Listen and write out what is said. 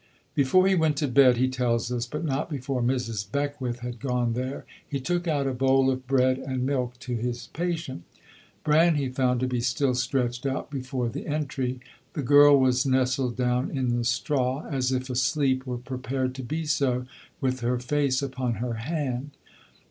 Before he went to bed, he tells us, but not before Mrs. Beckwith had gone there, he took out a bowl of bread and milk to his patient. Bran he found to be still stretched out before the entry; the girl was nestled down in the straw, as if asleep or prepared to be so, with her face upon her hand.